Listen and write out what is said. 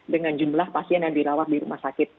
dengan jumlah pasien yang dirawat di rumah sakit